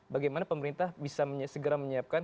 bagaimana pemerintah bisa segera menyiapkan